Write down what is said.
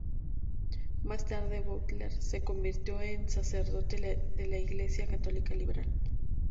Más tarde, Butler se convirtió en sacerdote de la Iglesia Católica Liberal.